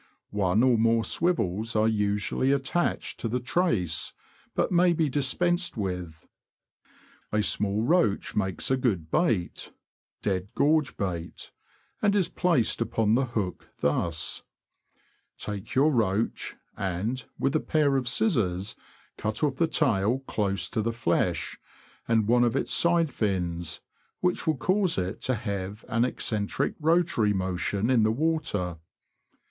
One or more swivels are usually attached to the trace, but may be dispensed with. A small roach makes a good bait (dead gorge bait), and is placed upon the hook thus : Take your roach, and, with a pair of scissors, cut off the tail close to the flesh, and one of its side fins, which will cause it to have an eccentric rotary motion in the w^ater.